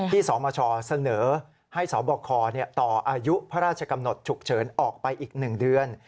สมชเสนอให้สบคต่ออายุพระราชกำหนดฉุกเฉินออกไปอีก๑เดือน